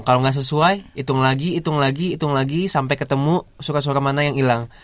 kalau nggak sesuai hitung lagi hitung lagi hitung lagi sampai ketemu suka suka mana yang hilang